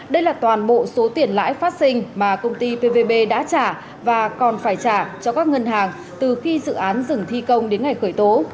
đây là toàn bộ số tiền lãi phát sinh mà công ty pvb đã trả và còn phải trả cho các ngân hàng từ khi dự án dừng thi công đến ngày khởi tố